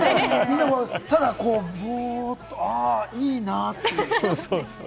ただボーっと、いいなっていうね。